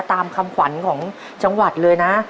ตามคำขวัญของจังหวัดเลยนะ